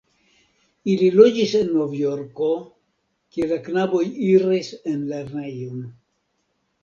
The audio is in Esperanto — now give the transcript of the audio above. Ili loĝis en Novjorko, kie la knaboj iris en lernejon.